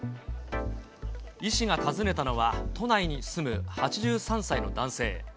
医師が訪ねたのは、都内に住む８３歳の男性。